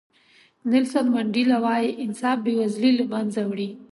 نیلسن منډیلا وایي انصاف بې وزلي له منځه وړي.